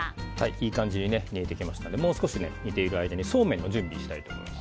いい感じに煮えてきましたのでもう少し煮ている間にそうめんの準備をしたいと思います。